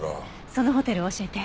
そのホテルを教えて。